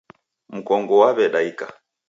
Mkongo waw'edaika.